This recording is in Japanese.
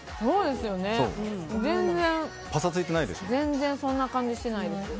全然そんな感じしないです。